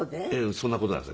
そんな事なんです。